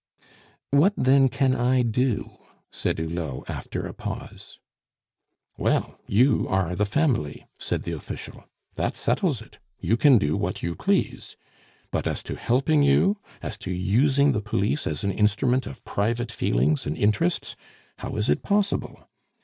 "What, then, can I do?" said Hulot, after a pause. "Well, you are the Family," said the official. "That settles it; you can do what you please. But as to helping you, as to using the Police as an instrument of private feelings, and interests, how is it possible?